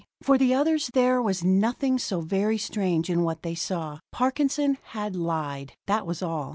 For the others there was nothing so very strange in what they saw; Parkinson had lied, that was all.